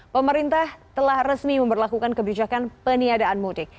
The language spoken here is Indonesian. pemerintah telah resmi memperlakukan kebijakan peniadaan mudik